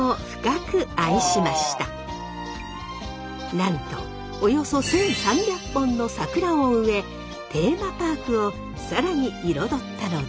なんとおよそ１，３００本の桜を植えテーマパークを更に彩ったのです。